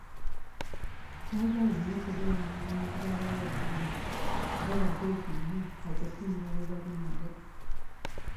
Saagala nnyo kubeera na bantu balowooza nti bbo bagezi nnyo okusinga be bali nabo.